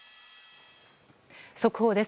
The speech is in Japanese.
速報です。